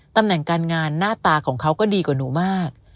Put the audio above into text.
ตำแหน่งการงานหน้าตาของเขาก็ดีกว่าหนูมาก